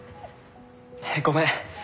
ごめん。